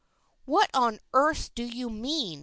" What on earth do you mean